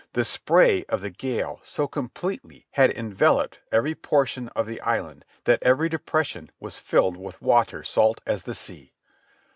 The spray of the gale so completely had enveloped every portion of the island that every depression was filled with water salt as the sea.